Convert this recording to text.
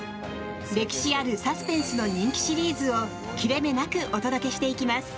歴史あるサスペンスの人気シリーズを切れ目なくお届けしていきます。